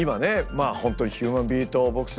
本当にヒューマンビートボックス